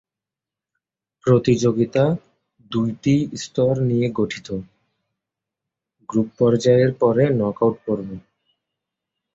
প্রতিযোগিতা দুটি স্তর নিয়ে গঠিত; গ্রুপ পর্যায়ের পরে নক আউট পর্ব।